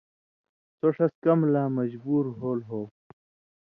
سو ݜس کمہۡ لہ مجبُور ہول ہو۔